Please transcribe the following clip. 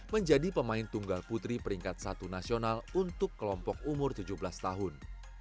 menjadi pemain tunggal putri peringkat satu nasional untuk kelompok umur tujuh belas tahun